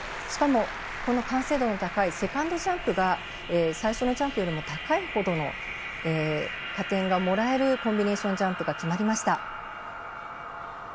しかも、この完成度の高いセカンドジャンプが最初のジャンプより高いほどの加点がもらえるコンビネーションジャンプが決まりました。